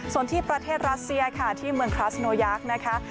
ส่วนที่ประเทศรัสเซียค่ะที่เมืองคลาสโนยักษ์นะคะ